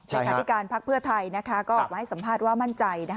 หัวไทยก็มาสัมภาษณ์ว่ามั่นใจ